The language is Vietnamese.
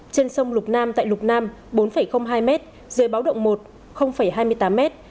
trên sông lục nam tại lục nam bốn hai m dưới báo động một hai mươi tám m